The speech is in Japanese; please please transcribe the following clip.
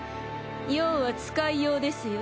要は使いようですよ。